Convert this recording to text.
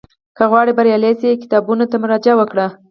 که غواړې بریالی شې، کتابونو ته مراجعه وکړه.